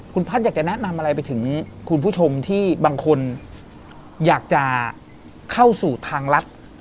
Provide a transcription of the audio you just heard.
คุณพัฒน์อยากจะแนะนำอะไรไปถึงคุณผู้ชมที่บางคนอยากจะเข้าสู่ทางรัฐ